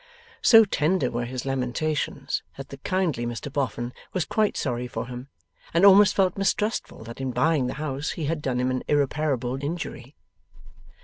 So tender were his lamentations, that the kindly Mr Boffin was quite sorry for him, and almost felt mistrustful that in buying the house he had done him an irreparable injury.